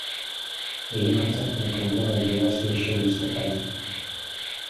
Яе канцэртная прэм'ера адбылася яшчэ ў лістападзе.